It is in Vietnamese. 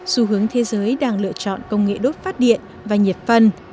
xu hướng thế giới đang lựa chọn công nghệ đốt phát điện và nhiệt phân